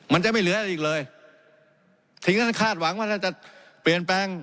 มันจะไม่เหลืออะไรอีกเลยถึงท่านคาดหวังว่าถ้าจะเปลี่ยนแปลง